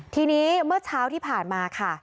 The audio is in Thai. ทีนี้เมื่อเช้าที่ผ่านมาค่ะ